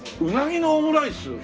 うなぎのオムライス？